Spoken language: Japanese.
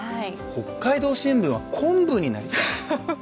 北海道新聞は昆布になりたい。